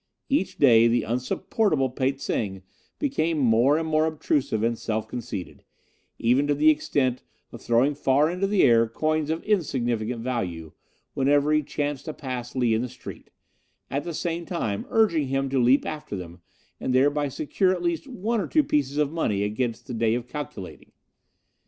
Each day the unsupportable Pe tsing became more and more obtrusive and self conceited, even to the extent of throwing far into the air coins of insignificant value whenever he chanced to pass Lee in the street, at the same time urging him to leap after them and thereby secure at least one or two pieces of money against the day of calculating.